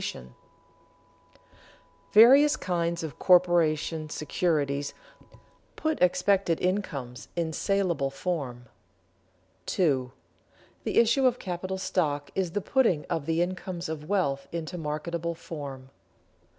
[Sidenote: Various kinds of corporation securities put expected incomes in salable form] 2. _The issue of capital stock is the putting of the incomes of wealth into marketable form.